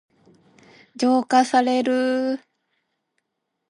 浄化される。